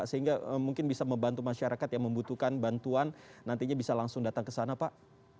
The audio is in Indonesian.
sehingga mungkin bisa membantu masyarakat yang membutuhkan bantuan nantinya bisa langsung datang ke sana pak